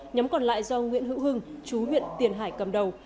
nhóm còn lại do nguyễn hữu hưng chú huyện tiền hải cầm đầu